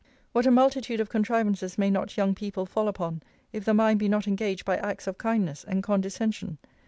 What a multitude of contrivances may not young people fall upon, if the mind be not engaged by acts of kindness and condescension!